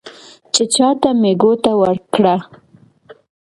چې چا ته مې ګوته ورکړه،